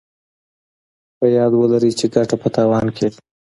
په ياد ولرئ چې ګټه په تاوان کېږي.